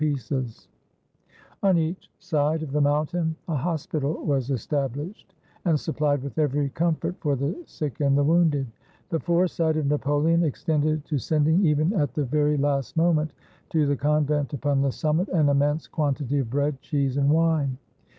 ii8 WHEN NAPOLEON CROSSED THE ALPS On each side of the mountain a hospital was estab lished, and supplied with every comfort for the sick and the woimded. The foresight of Napoleon extended to sending, even at the very last moment, to the convent upon the simimit, an immense quantity of bread, cheese, and wine.